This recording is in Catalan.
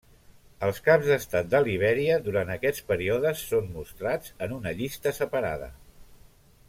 Els caps d'estat de Libèria Durant aquests períodes són mostrats en una llista separada.